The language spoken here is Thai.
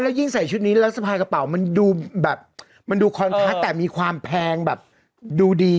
แล้วยิ่งใส่ชุดนี้แล้วสะพายกระเป๋ามันดูแบบมันดูคอนทัศน์แต่มีความแพงแบบดูดี